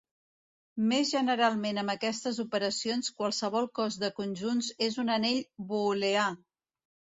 Més generalment amb aquestes operacions qualsevol cos de conjunts és un anell booleà.